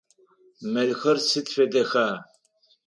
Мэлхэр сыд фэдэха?